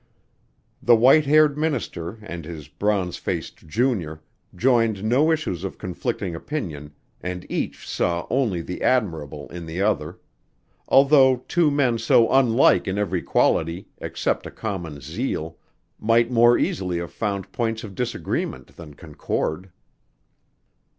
The white haired minister and his bronze faced junior joined no issues of conflicting opinion and each saw only the admirable in the other although two men so unlike in every quality except a common zeal might more easily have found points of disagreement than concord.